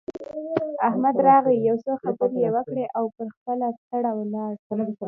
احمد راغی؛ يو څو خبرې يې وکړې او پر خپله تړه ولاړ.